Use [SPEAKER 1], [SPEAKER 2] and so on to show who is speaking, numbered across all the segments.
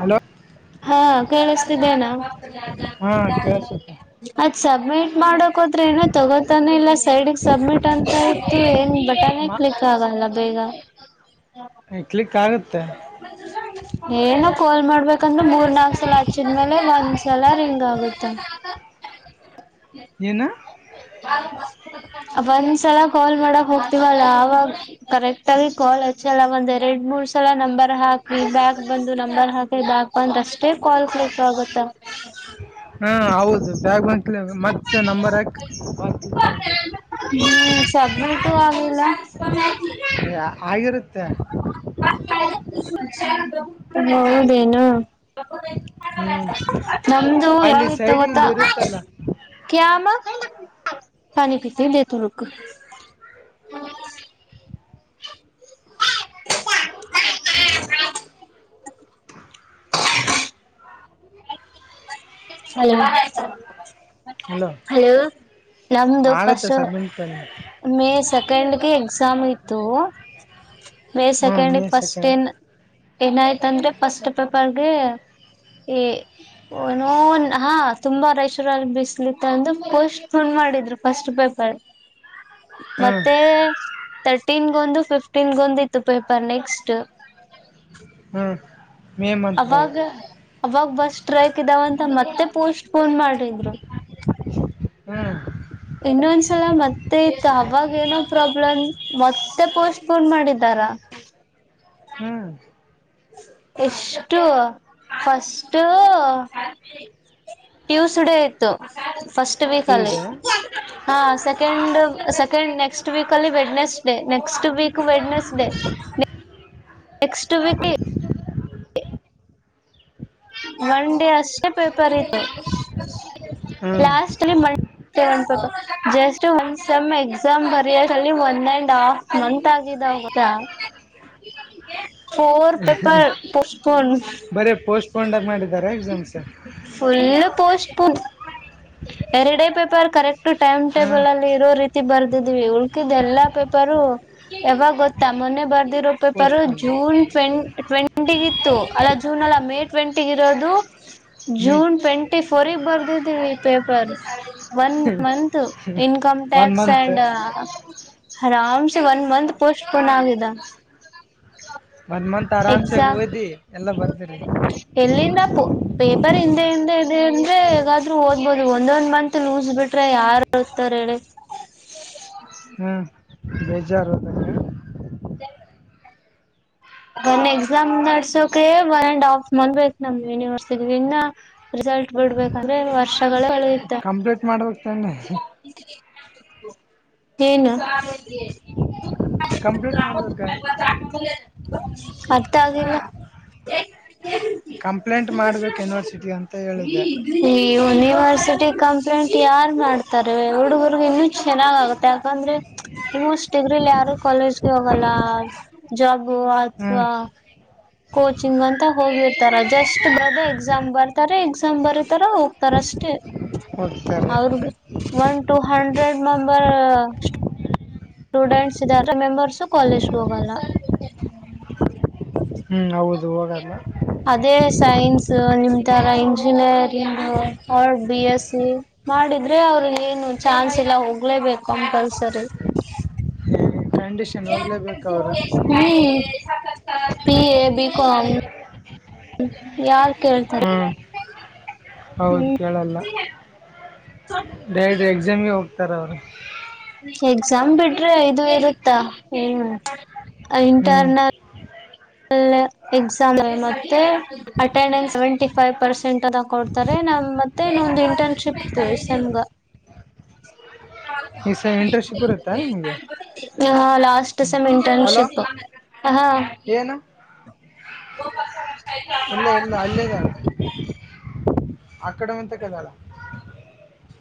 [SPEAKER 1] hello
[SPEAKER 2] ಹಾ ಕೇಳಿಸತಿದ್ದೇನಾ
[SPEAKER 1] ಹಾ ಕೇಳಸುತ್ತೆ
[SPEAKER 2] ಅತ್ ಸಬ್ಮಿಟ್ ಮಾಡಕ್ ಹೋದ್ರೆ ಏನ ತಗೋತಾನ ಇಲ್ಲ ಸೈಡ್ ಸಬ್ಮಿಟ್ ಅಂತ ಇತ್ತು ಏನ್ ಬಟನ್
[SPEAKER 1] ಮ
[SPEAKER 2] ಕ್ಲಿಕ್ ಆಗಲ್ಲ ಬೇಗ
[SPEAKER 1] ಕ್ಲಿಕ್ ಆಗುತ್ತೆ
[SPEAKER 2] [unintelligible] ಏನ ಕಾಲ್ ಮಾಡ ನೋ್ಬೇಕಂದ್ರೆ ಮೂರ್ ನಾಲ್ಕ ಸಲ ಹಚ್ಚಿದ್ಮೇಲೆ ಒಂದ್ಸಲ ರಿಂಗ್ ಆಗುತ್ತೆ
[SPEAKER 1] ಏನು
[SPEAKER 2] [inaudible] ಒಂದ್ಸಲ ಕಾಲ್ ಮಾಡಕ್ ಹೋಗ್ತಿವಲ್ಲ ಅವವಾಗ ಕರೆಕ್ಟ್ ಆಗ ಕಾಲ್ ಹಚ್ಚಲ್ಲ ಒಂದ್ ಎರಡ್ ಮೂರ್ ಸಲ ನಂಬರ್ ಹಾಕಿ ಬ್ಯಾಕ್ ಬಂದು ನಂಬರ್ ಹಾಕಿ ಬ್ಯಾಕ್ ಬಂದ ಅಷ್ಟೇ ಕಾಲ್ ಕ್ಲಿಕ್ ಆಗುತ್ತೆ
[SPEAKER 1] ಹಾ ಹೌದು ಬೇಗ ಬಂದ ಮತ್ತೆ ನಂಬರ್ ಹಾಕ ಮಾಡ್ಬೇಕ
[SPEAKER 2] ಮತ್ತು ಆಗ್ಲಿಲ್ಲ
[SPEAKER 1] ಅ ಆಗಿರುತ್ತೆ
[SPEAKER 2] ಹೌದೇನು
[SPEAKER 1] ಹ್ಮ್
[SPEAKER 2] [unintelligible] ನಮ್ದು
[SPEAKER 1] ಅಲ್ಲಿ
[SPEAKER 2] ಯಾವತ್ತ
[SPEAKER 1] ಸೈಡ್
[SPEAKER 2] ಗೊತ್ತ
[SPEAKER 1] ಇಲ್ಲಿ ಇರುತ್ತಲ್ಲ
[SPEAKER 2] ಕ್ಯಾಮ ಪಾನೀ ಪೀತಿ ಲೇತಿ ರುಕ್ [unintelligible] [unintelligible] ಹ ಹಲೋ ನಮ್ದು
[SPEAKER 1] ಆಗುತ್ತೆ
[SPEAKER 2] ಫಸ್ಟ್
[SPEAKER 1] ಸಬ್ಮಿಟ್ ಹ್ಞೂ
[SPEAKER 2] ಮೇ ಸೆಕೆಂಡ್ಗೆ ಎಕ್ಸಾಮ್ ಇತ್ತು ಮೇ ಸೆಕೆಂಡ್
[SPEAKER 1] ಮೇ ಸೆಕೆಂಡ್
[SPEAKER 2] ಫಸ್ಟ್ನ್ ಏನಾಯ್ತ ಅಂದ್ರೆ ಫಸ್ಟ್ ಪೇಪರ್ಗೆ ಈ ನೋ ಹಾ ತುಂಬಾ ರೈಷರಲ್ಲಿ ಬಿಸ್ಲಿತ್ತ ಅಂದು ಪೋಸ್ಟ್ ಪೋನ್ ಮಾಡಿದ್ರು ಫಸ್ಟ್ ಪೇಪರ್
[SPEAKER 1] ಹ್ಞೂ
[SPEAKER 2] ಮತ್ತೆ ತರ್ಟೀನ್ ದು ಫಿಫ್ಟೀನ್ ಒಂದ ಇತ್ತು ಪೇಪರ್ ನೆಕ್ಸ್ಟ್
[SPEAKER 1] ಹ್ಮ ಮೇ ಮಂಥ್ ಗ
[SPEAKER 2] ಅವಾಗ ಅವಾಗ ಬಸ್ ಟ್ರೈಕ್ ಇದಾವಂತ ಮತ್ತೆ ಪೋಸ್ಟ್ ಫೋನ್ ಮಾಡ್ರಿದ್ರು
[SPEAKER 1] ಹ್ಞೂ
[SPEAKER 2] [inaudible] ಇನ್ನೊಂದ್ಸಲ ಮತ್ತೆ ಮತ್ತೆ ಆಯ್ತ ಅವಾಗ ಏನೋ ಪ್ರಾಬ್ಲಮ್ ಮತ್ತೆ ಪೋಸ್ಟ್ ಪೋನ್ ಮಾಡಿದ್ದಾರ
[SPEAKER 1] ಹ್ಮ್
[SPEAKER 2] ಎಷ್ಟು [unintelligible] ಫಸ್ು ಟ್ಯೂಸ್ಡೇ ಆಯತು ಫಸ್ಟ್ ವೀಕ್ ಅಲ್ಲಿ
[SPEAKER 1] ಈಗ
[SPEAKER 2] ಹ ಸೆಕೆಂಡ್ ಸೆಕೆಂಡ್ ನೆಕ್ಸ್ಟ್ ವೀಕ್ ಅಲ್ಲಿ ವೆಡ್ನೆಸ್ ಡೇ ನಕ್ next week Wednesday next week one day ಅಷ್ಟೆ ಪೇಪರ್ ಇತ್ತು
[SPEAKER 1] ಹ್ಞೂ
[SPEAKER 2] ಲಾಸ್ಟ್ಲ್ಲಿ ಮಂ ಜಸ್ಟ್ ಒಂದ ಸಮ್ ಎಕ್ಸಾಮ್ ಬರದಲ್ಲಿ ಒಂದ ಅಂಡ್ ಹಾಫ್ ಮಂತ್ ಗೊತ್ತಾಗಿದ್ದೋಗದಾ ಫೋರ್ ಪೇಪರ್ ಪಸ್ಪನ್
[SPEAKER 1] ಕಂಡಕ್ಟ್ ಮಾಡಿದ್ದಾರೆ ಎಕ್ಸಾಮ್ಸ
[SPEAKER 2] ಫುಲ್ ಎರಡೇ ಪೇಪರ್ ಕರೆಕ್ಟ್ ಟೈಮ್
[SPEAKER 1] ಹಾಂ
[SPEAKER 2] ಟೇಬಲ್ ಅಲ್ಲಿ ಇರೋ ರೀತಿ ಬರ್ದಿದ್ವಿ ಉಳ್ಕಿದ ಎಲ್ಲಾ ಪೇಪರು ಯಾವಾಗ ಗೊತ್ತಾ ಮೊನ್ನೆ ಬರ್ ರೂಪಾಯಿ ಪರ
[SPEAKER 1] ಪೋಸ್ಟ್ಪೋಂಡು
[SPEAKER 2] ಜೂನ್ ಟ್ ಟ್ವೆಂಟಿ ಇತ್ತು ಅಲ್ಲ ಜೂನ್ ಅಲ್ಲ ಮೇ ಟ್ವೆಂಟಿ ಇರೋದು
[SPEAKER 1] ಮೀಟ್
[SPEAKER 2] ಜೂನ್ ಟ್ವೆಂಟಿ ಫೋರ್ಗೆ ಬರ್ದಿದ್ದೀವಿ paper one month income
[SPEAKER 1] one
[SPEAKER 2] tax
[SPEAKER 1] month
[SPEAKER 2] and ಆರಾಮ ಸ ವನ್ ಮಂತ್ ಪೋಸ್ಟ್ ಫೋನ್ ನಿದ್ದ
[SPEAKER 1] ಒಂದ್ ಮಂತ್ ಆರಾಮ್ಸೆ ಹೋದಿ ಎಲ್ಲ ಬರ್ತರಿ
[SPEAKER 2] ಎಲ್ಲಿಂದ ಪೇಪರ್ ಹಿಂದೆ ಹಿಂದೆ ಇದೆ ಅಂದ್ರೆ ಹೇಗಾದ್ರೂ ಓದ್ಬಹುದು ಒಂದೊಂದ್ ಮಂತ್ ಲೂಸ್ ಬಿಟ್ಟ ಟ್ರ ಯಾರ ಇತಾರ ಹೇಳಿ
[SPEAKER 1] ಹ್ಮ್ ಬೇಜಾರದ
[SPEAKER 2] ಹ ಒ ಎಕ್ಸಾಮ್ ನಡೆಸೋಕೆ ಒನ್ ಅಂಡ್ ಹಾಫ್ ಮ ಬಯತ ನಮ ಯನಿವರ್ಸಿಟಿ ಲ್ ಬಿಡ್ಬೇಕಂದ್ರೆ ವರ್ಷಗಳ ಒಳಗತೆ
[SPEAKER 1] ಕಂಪ್ಲೀಟ್ ಮಾಡ್ಬೇಕ್ ತಾನೆ
[SPEAKER 2] ತೀನ್
[SPEAKER 1] ಕಂಪ್ಲೀಟ್ ಮಾಡದಕ್ಕೆ
[SPEAKER 2] ಬರ್ತಾವದಿಲ್ಲ
[SPEAKER 1] ಕಂಪ್ಲೇಂಟ್ ಮಾಡ್ಬೇಕು ಯೂನಿವರ್ಸಿಟಿ ಅಂತ ಹೇಳಿದ್ದೆ
[SPEAKER 2] ಈ ಯುನಿವರ್ಸಿಟಿ ಕಮ ಟ್ ಯಾರ ಮಾಡ್ತಾರೆ ಹುಡುಗರ್ಗ ಇನ್ನುೂ ಚೆನ್ನಾಗಗುತ್ತೆ ಯಾಕಂದ್ರೆ ಇಸ್ ಡಿಗ್ರಿಲಿ ಯಾರು ಕಾಲೇಜ್ಗೆ ಹೋಗಲ್ಲ ಜಾಬ್
[SPEAKER 1] ಹ್ಮ್
[SPEAKER 2] ಅಥವಾ ಕೋಚಿಂಗ್ ಅಂತ ಹೋಗಿರ್ತಾರ ಜಸ್ಟ್ ಬರ್ದೆ ಎಕ್ಸಾಮ್ ಬರ್ತಾರೆ ಎಕ್ಸಾಮ್ ಬರತಾರ ಹೋಗ್ತಾರ ಅಷ್ಟೆ
[SPEAKER 1] ಹೋಗ್ತಾರೆ
[SPEAKER 2] ಅವ್ರಗ one two hundred member students ಇದ ಮೆಂಬರ್ಸು ಕಾಲೇಜ್ ಹೋಗಲ್ಲ
[SPEAKER 1] ಹ್ಮ್ ಹೌದು ಹೋಗಲ್ಲ
[SPEAKER 2] ಅದೇ ಸೈನ್ಸ್ ನಿಮ ರ ಇಂಜಿನಿಯರಿಂಗ್ ಅವ ಬಿ ಎಸ್ ಸಿ ಮಾಡಿದ್ರೆ ಅವ್ರ ಏನು ಚಾನ್ಸ್ ಇ ಎಲ್ಲ ಹೋಗ್ಲೇಬೇಕು ಕಂಪಲ್ಸರಿ
[SPEAKER 1] ಕಂಡೀಷನ್ ಹೋಗ್ಲೇಬೇಕು ಅವರು
[SPEAKER 2] ಹ್ಮ ಪಿ ಎ ಬಿಕಮ ಯಾರ
[SPEAKER 1] ಹ್ಮ್ ಹೌದು
[SPEAKER 2] ಹ್ಮ್
[SPEAKER 1] ಕೇಳಲ್ಲ ತರೋ ರ
[SPEAKER 2] ಎಕ್ಸಾಮ್ ಬಿಟ್ರೆ ಇಐದು ಇರುತ್ತಾ ಹ
[SPEAKER 1] ಹ್ಮ್
[SPEAKER 2] ಇಂಟರ್ನಲ್ ಹ್ಮ ಎಕ್ಸಾಮ್ ಮತ್ತೆ ಅಟೆಂಡನ್ಸ್ ಸೆವೆಂಟಿ ಫೈವ್ ಪರ್ಸೆಂಟ್ ಅದ ಕೊಡ್ತಾರೆ ನ ಮತ್ತೆ ಒಂದು ಇಂಟರ್ನ್ಶಿಪ್ ಸಮಂಗ
[SPEAKER 1] ಈ ಸಮ್ ಇಂಟರ್ನ್ಶಿಪ್ ಇರುತ್ತಾ ನಿಮ್ಗೆ
[SPEAKER 2] ಹಾ ಲಾಸ್ಟ್ ಸಮ
[SPEAKER 1] ಹಲೋ
[SPEAKER 2] ಇಂಟರ್ನ್ಶಿಪ್ ಹ
[SPEAKER 1] ಏನು
[SPEAKER 2] ಕ
[SPEAKER 1] ಇಲ್ಲ ಇಲ್ಲ ಅಲ್ಲೇ ಇದಾಳ ಆ ಕಡೆ ಮಂತ ಕದಾಳ
[SPEAKER 2] [inaudible]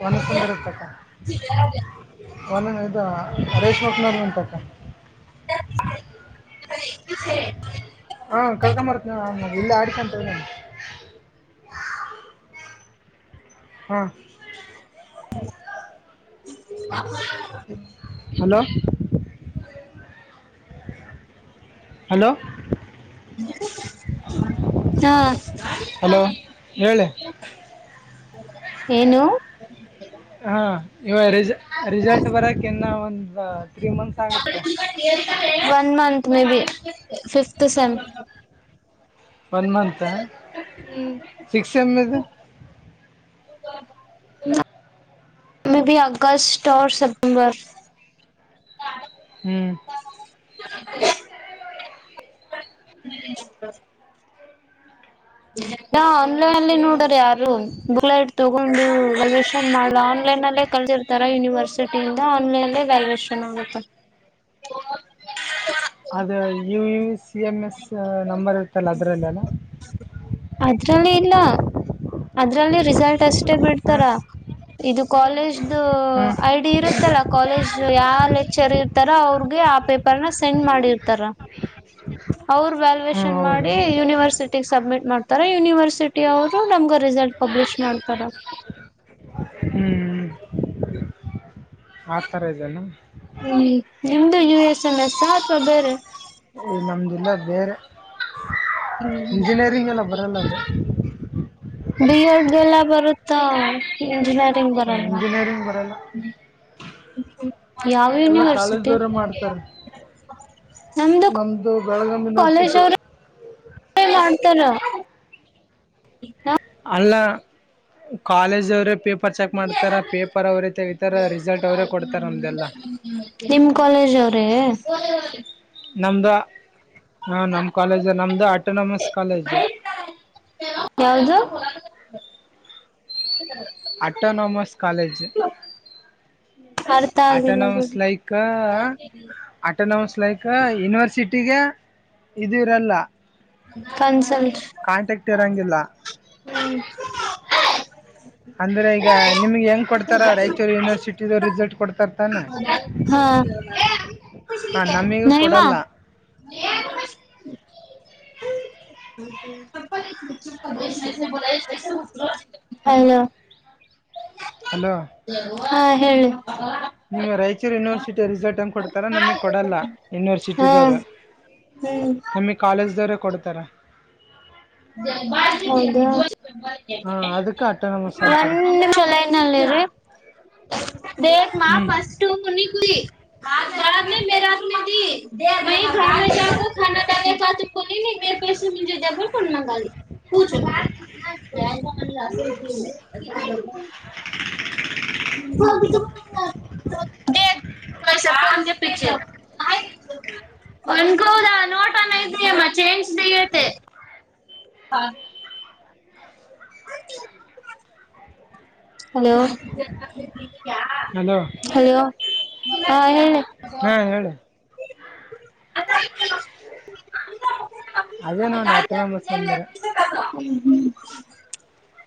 [SPEAKER 1] ಹೊ ಪೊ [unintelligible] ರ ಟಟ ಒ ಇ ರೇಶ್ಮಾಕ್ನ ಉಂಟಕ್ಕ
[SPEAKER 2] [inaudible]
[SPEAKER 1] ಹಾ ಕರ್ಕೊಂಬರ್ತನ ಇಲ್ಲಿ ಆಡಿಕಂತ ಹಾ
[SPEAKER 2] [inaudible]
[SPEAKER 1] ಹಲೋ ಹಲೋ
[SPEAKER 2] ಹಾ
[SPEAKER 1] ಹಲೋ ಹೇಳಿ
[SPEAKER 2] ಏನು
[SPEAKER 1] ಇವ ರಿಸಲ್ಟ್ ಬರಕ ಇನ್ನು ಒಂದು ತ್ರೀ ಮಂತ್ಸ್ ಆಗುತ್ತೆ
[SPEAKER 2] ಒನ್ ಮಂತ್ ಮ B fifth sem
[SPEAKER 1] one month six ಎಮ ಇದು
[SPEAKER 2] [inaudible] ಮೆ ಬಿ ಅಗಸ್ತ ಸೇಪ್ಟ್ ಬರ್
[SPEAKER 1] ಹ್ಮ್
[SPEAKER 2] [inaudible] ಹ್ಮ ನಾ ಆನ್ಲೈನ್ ಅಲ್ಲಿ ನೋಡ್ರ ಯಾರು ಬುಕ್ಲ ಇಟ್ ತಗೊಂಡು ವಲ್ಷನ್ ಮಾಡ ಆನ್ ಆನ್ಲೈನ್ಲ್ಲೇ ಕಲ್ಸಿರ್ತಾರ ಯೂನಿವರ್ಸಿಟಿಂದು ದ ಆನ್ಲೈನ್ಲ್ಲೇ ವ್ಯಾಲ್ಯೇಷನ್ ಆಗುತ್ತೆ ಹ
[SPEAKER 1] ಅದು U U C M S number ಇರ್ತಲ್ಲ ಅದರಲ್ಲೆಲ್ಲ
[SPEAKER 2] ಅದ್ರಲ್ಲಿ ಇಲ್ಲ ಅದ್ರಲ್ಲಿ ರಿಸಲ್ಟ್ ಅಷ್ಟೇ ಬಿಡ್ತಾರ
[SPEAKER 1] ಹಾಂ
[SPEAKER 2] ಇದು ಕಾಲೇಜ್ ಇದು
[SPEAKER 1] ಹ್ಞೂ
[SPEAKER 2] ಐಡಿ ಇರುತ್ತಲ್ಲ ಕಾಲೇಜ್ ಯಾವ ಲೆಕ್ಚರ್ ಇರ್ತಾರ ಅವ್ರಗೆ ಆ ಪೇಪರ್ನ ಸೆಂಡ್ ಮಾಡಿರ್ತಾರ ಅವರು
[SPEAKER 1] ಹ್ಞೂ
[SPEAKER 2] ವ್ಯಾಲ್ಯಯೇಷನ್
[SPEAKER 1] ಹೌದು
[SPEAKER 2] ಮಾಡಿ ಯೂನಿವರ್ಸಿಟಿ ಸಬ್ಮಿಟ್ ಮಾಡ್ತಾರ ಯುನಿವರ್ಸಿಟಿ ಅವರು ನಮಗ ರರಿಸಲ್ಟಾ ಪಬ್ಬಲಿಶ ಮಾಡ
[SPEAKER 1] ಹ್ಞೂ ಆ ತರ ಇದನೆ
[SPEAKER 2] ಹ್ಮ್ ನಿಮ್ದು ಯು ಎಸ್ ಎಂದ ಸಾಪ ಬೇರೆ
[SPEAKER 1] ಈ ನಮ್ದಿಲ್ಲ ಬೇರೆ
[SPEAKER 2] ಹ್ಮ್
[SPEAKER 1] ಇಂಜಿನಿಯರಿಂಗ್ ಎಲ್ಲ ಬರಲ್ಲ ಅದು
[SPEAKER 2] ಬಿ ಎಡ್ ಲ್ಲ ಬರುತ್ತ ಇಂಜಿನಿಯರಿಂಗ್ ಬರಲ್ಲ
[SPEAKER 1] ಇಂಜಿನಿಯರಿಂಗ್ ಬರಲ್ಲ
[SPEAKER 2] ಯಾವ
[SPEAKER 1] ಎಲ್ಲ
[SPEAKER 2] ಯುನಿವರ್ಸಿಟಿ
[SPEAKER 1] ಕಾಲೇಜ್ದವ್ರೆ ಮಾಡ್ತಾರೆ
[SPEAKER 2] ನಮ್ದು
[SPEAKER 1] ಬೆಳಗುಮ್
[SPEAKER 2] ಕಾಲೇಜ್
[SPEAKER 1] ಯನಿವರ್ಸಿಟಿ
[SPEAKER 2] ಅವ್ರ ಹಾ
[SPEAKER 1] ಅಲ್ಲ ಕಾಲೇಜ ಅವರೇ ಪೇಪರ್ ಚೆಕ್ ಮಾಡ್ತಾರೆ ಪೇಪರ್ ಅವರೇ ತೆಗತಾರೆ ರಿಸಲ್ಟ್ ಅವರೇ ಕೊಡ್ತಾರೆ ನಮ್ದಲ್ಲ
[SPEAKER 2] ನಿಮ ಕಾಲೇಜ್ ಅವ್ರ
[SPEAKER 1] ನಮ್ದ ಹಾ ನಮ್ ಕಾಲೇಜ್ ನಮ್ದು ಆಟೋನಮಸ್ ಕಾಲೇಜ್
[SPEAKER 2] ಯವುದು
[SPEAKER 1] ಆಟೋನೊಮಸ್ ಕಾಲೇಜ್
[SPEAKER 2] ಅರ್ಥ ಆಗಿಲ್ಲ
[SPEAKER 1] ಅಟನಮಸ್
[SPEAKER 2] ಬಿಡಿ
[SPEAKER 1] ಲೈಕ್ ಅಟನಸ್ ಲೈಕ್ ಯೂನಿವರ್ಸಿಟಿಗೆ ಇದು ಇರಲ್ಲ
[SPEAKER 2] ಕನ್ಸಲ್ಟ್
[SPEAKER 1] ಕಾಂಟ್ಯಾಕ್ಟ್ ಇರಂಗಿಲ್ಲ ಅಂದ್ರೆ ಈಗ ನಿಮ್ಗೆ ಹೆಂಗ್ ಕೊಡ್ತಾರ ರಾಯಚೂರು ಯೂನಿವರ್ಸಿಟಿದ ರಿಸಲ್ಟ್ ಕೊಡ್ತಾರ ತಾನ
[SPEAKER 2] ಹ ನಯಮಾ
[SPEAKER 1] ಕೊಡಲ್ಲ
[SPEAKER 2] ಹ್ಮ ಹ ಹಾ ಹೇಳಿ
[SPEAKER 1] ನಿಮ್ ರಾಯಚೂರು ಯನಿವರ್ಸಿಟಿ ರಿಸರ್ಟ್ ಎಂಗ್ ಗ್ ಕೊಡ್ತಾರ ನಮಗ್ ಕೊಡಲ್ಲ
[SPEAKER 2] ಹಾ
[SPEAKER 1] ಯೂನಿವರ್ಸಿಟಿದವರು
[SPEAKER 2] ಹ್ಮ್
[SPEAKER 1] ನಮಗ್ ಕಾಲೇಜ ದವ್ರೆ ಕೊಡ್ತಾರ
[SPEAKER 2] ಹೌದು
[SPEAKER 1] ಹಾ ಅದಕ್ಕೆ ಅ
[SPEAKER 2] ಒಂದಲೈನಲ್ಲಿರಿ ದ ಮಾ
[SPEAKER 1] ಹ್ಞೂ
[SPEAKER 2] ಮಫಸ್ಟ ಮುಿ ಕು ಮಾ ಯ ಮೇ ಹ [unintelligible] ಕೊ ಬೇರೆ ಪಸೆ ಮುೆ [unintelligible] [unintelligible]
[SPEAKER 1] [inaudible]
[SPEAKER 2] [unintelligible] ಪಶೆ ಪಿಚ ಅನ್ಕೋದ ನೋಟನ್ ಐತಿ ಅಮ್ಮ ಚೇಂಜ್ ಹಾ ಹಲೋ
[SPEAKER 1] ಹಲೋ
[SPEAKER 2] ಹಲೋ ಹಾ ಹೇಳಿ
[SPEAKER 1] ಹಾಂ ಹೇಳಿ
[SPEAKER 2] ಅ
[SPEAKER 1] ಅದೇ ನೋಡ ಅಟಂಬ ಸುಂದರೆ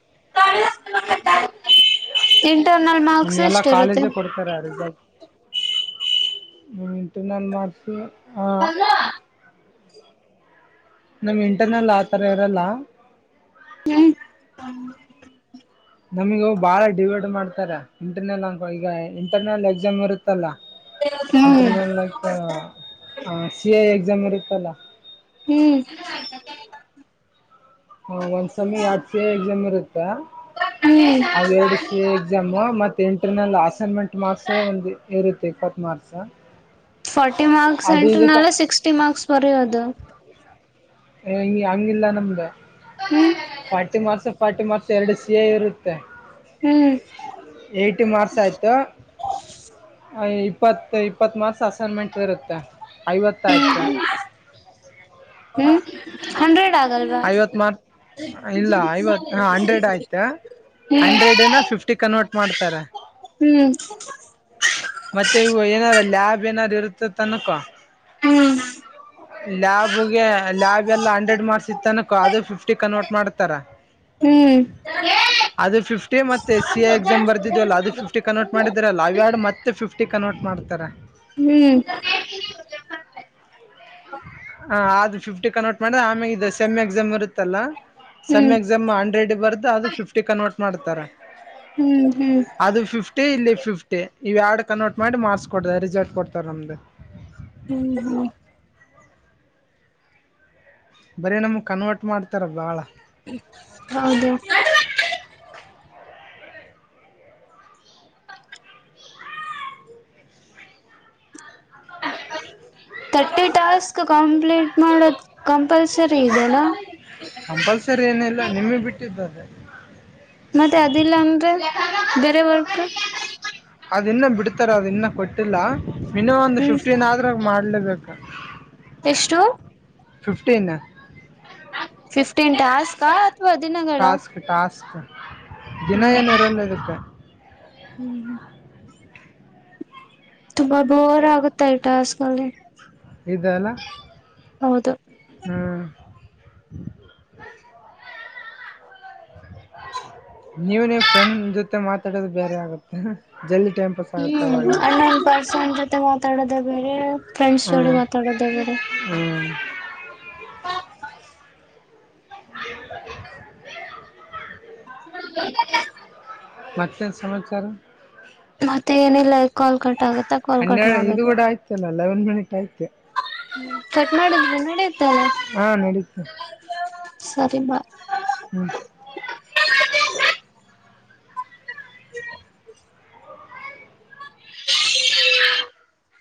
[SPEAKER 2] [inaudible] ಮಾರ್ಕ್ಸ್
[SPEAKER 1] ನಮ್ಗೆ ಎಲ್ಲಾ
[SPEAKER 2] ಎಷ್ಟ ಇರುತ್ತೆ
[SPEAKER 1] ಕಾಲೇಜು ಕೊಡ್ತಾರ ರಲ್ಟ್ ಇಂಟರ್ನಲ್ ಮಾರ್ಕ್ಡ್ ಆ ನಮ್ ಇಂಟರ್ನಲ್ ಆತರ ಯಾರಲ್ಲ
[SPEAKER 2] ಹ್ಮ್
[SPEAKER 1] ನಮಗ ಬಾಳ ಡಿವೈಡ್ ಮಾಡ್ತಾರೆ ಇಂಟರ್ನಲ್ ಅಕ ಈಗ ಇಂಟರ್ನಲ್ ಎಕ್ಸಾಮ್ ಇರುತ್ತೆ
[SPEAKER 2] ಹ್ಮ್
[SPEAKER 1] ಇಂಟರ್ನಲ್ ಲೈಕ್ ಸಿ ಎ ಎಕ್ಸಾಮ್ರ್ ಇತ್ತಲ್ಲ
[SPEAKER 2] ಹ್ಮ್
[SPEAKER 1] ಹಾ ಒಂದ್ಸಯ ಎರ ಡ್ ಸಿ ಎ ಎಕ್ಸಾಮ್ ಇರುತ್ತಾ
[SPEAKER 2] ಹ್ಮ್
[SPEAKER 1] ಅವ ಎರಡು ಸಿ ಎ ಎಕ್ಸಾಮ್ ಮತ್ತೆ ಎಂಟ್ರ ನಲ್ಲಿ ಅಸೈನ್ಮೆಂಟ್ ಮಾರ್ಕ್ಸ್ ಒಂದ ಇರುತ್ತ ತೇಕತ್ತು ಮಾರಸ
[SPEAKER 2] ಫಾರ್ಟಿ ಮಾರ್ಕ್ಸ್ ಎಂಟ್ರನಲ್ಲ ಸಿಕ್ಸ್ಟಿ ಮಾರ್ಕ್ಸ್ ಬರ ಅದು
[SPEAKER 1] ಹಂಗಿಲ್ಲ ನಮ್ದ ಪಾ ರ್ಟಿ ಮಾಸ ಫಾರ್ಟಿ ಮಾರ್ ಎರಡು ಸಿ ಎ ಯ ಇರುತ್ತೆ
[SPEAKER 2] ಹ್ಮ್
[SPEAKER 1] ಏ್ಟ ಮಾರ್ಸ್ ಆಯ್ತು ಇಪ್ಪತ್ತು ಇಪ್ಪತ್ತು ಮಾರ್ಸ್ ಅಸೈನ್ಮೆಂಟ್ ಇರುತ್ತೆ ಐವತ್ತಾಯಕು
[SPEAKER 2] ಹ್ಮ್ ಹ್ಮ್ ಹಂಡ್ರೆಡ್ ಆಗ
[SPEAKER 1] ಐವತ್ ಮಾರ್ಕ್ ಇಲ್ಲ ಐವತ್ ಹಾ ಹಂಡ್ರೆಡ್ ಆಯ್ತಾ ಹಂಡ್ರೆಡ್ ಏನ ಫಿಫ್ಟಿ ಕನ್ವರ್ಟ್ ಮಾಡ್ತಾರೆ
[SPEAKER 2] ಹ್ಮ್
[SPEAKER 1] ಮತ್ತೆ ಇವು ಏನಾರ ಲ್ಯಾಬ್ ಏನಾರು ಇರುತ್ತ ತನಕ
[SPEAKER 2] ಹ್ಮ್
[SPEAKER 1] ಲ್ಯಾಬ್ ಗೆ ಲ್ಯಾಬ್ ಎಲ್ಲ ಹಂಡ್ರೆಡ್ ಮಾರ್ಕ್ಸ್ ಇತ್ತನಕ ಅದು ಫಿಫ್ಟಿ ಕನ್ವರ್ಟ್ ಮಾಡತಾರ
[SPEAKER 2] ಹ್ಮ್
[SPEAKER 1] ಅದು ಫಿಫ್ಟಿ ಮತ್ತೆ ಎಸ್ ಸಿ ಎ ಎಕ್ಸಾಮ್ ಬರೆದಿದವಲ್ಲ ಅದು ಫಿಫ್ಟಿ ಕನ್ವರ್ಟ್ ಮಾಡಿದ್ರಲ್ಲ ಅವಡು ಮತ್ತೆ ಫಿಫ್ಟಿ ಕನ್ರ್ಟ್ ಮಾಡ್ತಾರೆ
[SPEAKER 2] ಹ್ಮ್
[SPEAKER 1] ಆ, ಅದು ಫಿಫ್ಟಿ ಕನ್ವರ್ಟ್ ಮಾಡ ಆಮೇ ಇದು ಸೆಮ್ ಎಕ್ಸಾಮ್ ಬರುತ್ತಲ್ಲ ಸಮ್
[SPEAKER 2] ಹ್ಮ್
[SPEAKER 1] ಎಕ್ಸಾಮ್ ಅಂಡ್ರೆಡ್ ಬರ್ದು ಅದು ಫಿಫ್ಟಿ ಕನ್ವರ್ಟ್ ಮಾಡ್ತಾರ
[SPEAKER 2] ಹ್ಮ್ ಹ್ಮ್
[SPEAKER 1] ಅದು ಫಿಫ್ಟಿ ಇಲ್ಲಿ ಫಿಫ್ಟಿ ಇವು ಎರಡು ಕನ್ವೋರ್ಟ್ ಮಾಡಿ ಮಾರ್ಸ್ ಕೊಡತ ರಿಸಲ್ಟ್ ಕೊಡ್ತಾರೆ ನಮ್ದು
[SPEAKER 2] ಹ್ಮ್ ಹ್ಮ್
[SPEAKER 1] ಬರೇ ನಮಗ್ ಕನ್ವರ್ಟ್ ಮಾಡ್ತಾರ ಬಾಳ
[SPEAKER 2] ಹೌದು [inaudible] ರ್ಟಿ ಟಾಸ್ಕ್ ಕಂಪ್ಲೀಟ್ ಮಾಡೋದು ಕಂಪಲ್ಸರಿ ಇದದೆಣ
[SPEAKER 1] ಕಂಪಲ್ಸರಿ ಏನ ಇಲ್ಲ ನಿಮ್ಮೇ ಬಿಟ್ಟಿದ್ದದೆ
[SPEAKER 2] ಮತ್ತೆ ಅದಿಲ್ಲ ಅನ್ ಬೇರೆ ವರ್ಕ್
[SPEAKER 1] ಅದು ಇನ್ನ ಬಿಡ್ತಾರ ಅದು ಇನ್ನ ಕೊಟ್ಟಿಲ್ಲ ಮಿನಿಮಮ್ ಒಂದು
[SPEAKER 2] ಹ್ಮ್
[SPEAKER 1] ಫಿಫ್ಟೀನ್ ಆದ್ರ ಮಾಡ್ಲೇಬೇಕ
[SPEAKER 2] ಎಷ್ಟು
[SPEAKER 1] ಫಿಫ್ಟೀನ್
[SPEAKER 2] ಫಿಫ್ಟೀನ್ ಟಾಸ್ಕ್ ಅಥವಾ ದಿನಗಳ
[SPEAKER 1] ಟಾಸ್ಕ್ ಟಾಸ್ಕ್ ದಿನ ಏನರಲ್ಲ ಇದಗತ್ತೆ
[SPEAKER 2] ಹ್ಮ್ ಹ್ಮ್ ತುಂಬಾ ಬೋರ್ ಆಗುತ್ತ ಟಾ ಅಸ್ಕಲ್ಲಿ
[SPEAKER 1] ಇದೆಲ್ಲ
[SPEAKER 2] ಹೌದು
[SPEAKER 1] ಹಾ ನೀವ ನೀ ಫ್ರೆಂಡ್ ಜೊತೆ ಮಾತಾಡೋದು ಬೇರೆ ಆಗುತ್ತೆ ಜಲ್ಲಿ
[SPEAKER 2] ಹ್ಮ್ ಅಣ್ಣ ನ್ ಪರ್ಸನ್ಟ್ ಜೊತೆ ಮಾತಾಡೋದೇ ಬೇರೆ ಫ್ರೆಂಡ್ಸ್ ಜೋಡಿ
[SPEAKER 1] ಹ್ಮ್
[SPEAKER 2] ಮಾತಾಡೋದೇ ಬೇರೆ
[SPEAKER 1] ಹ್ಮ್ ಹ
[SPEAKER 2] [inaudible] [unintelligible]
[SPEAKER 1] ಮತ್ತೆ ಸಮಾಚಾರ
[SPEAKER 2] ಮತ್ತೆ ಏನಿಲ್ಲ ಕಾಲ್ ಕಟ್ ಆಗುತ್ತಾ ಕಾಲ್ ಕಟ್
[SPEAKER 1] ಹನ್ನೆರಡು ಇದು
[SPEAKER 2] ಮಾಡ್ಬೇಕು
[SPEAKER 1] ಕೂಡ [unintelligible]
[SPEAKER 2] ಕಟ್ನಾಡಿದ್ ನಡೆಯತಲ್ಲ
[SPEAKER 1] ಹಾಂ ನಡೀತು
[SPEAKER 2] ಸರಿಮ್ಮ
[SPEAKER 1] ಹ್ಮ್
[SPEAKER 2] [inaudible] [unintelligible] ಹ